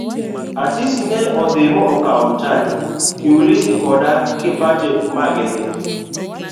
Asisi ne odhi ma okawo Mtaje. Kiulizi koda Kipate magidhi.